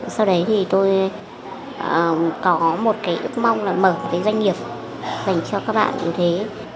sau đấy thì tôi có một cái ước mong là mở một cái doanh nghiệp dành cho các bạn yếu thế